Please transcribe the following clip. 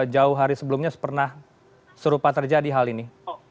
jauh hari sebelumnya pernah serupa terjadi hal ini